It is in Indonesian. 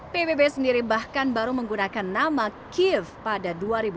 pbb sendiri bahkan baru menggunakan nama kiev pada dua ribu dua puluh